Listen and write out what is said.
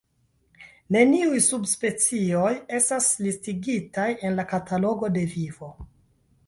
Neniuj subspecioj estas listigitaj en la Katalogo de Vivo.